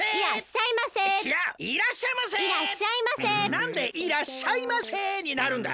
なんでいらっしゃいませになるんだ！